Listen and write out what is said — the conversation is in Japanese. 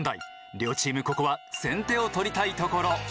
両チームここは先手を取りたいところ。